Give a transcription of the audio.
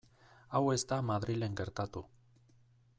Hau ez da Madrilen gertatu.